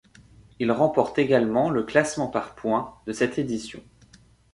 Il remporte également le classement par points de cette édition.